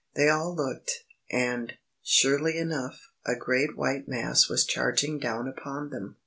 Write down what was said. They all looked. And, surely enough, a great white mass was charging down upon them.